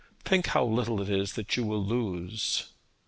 Think how little it is that you will lose.'